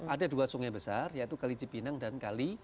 ada dua sungai besar yaitu kali cipinang dan kali